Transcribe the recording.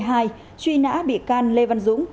truy nã bị can lê văn dũng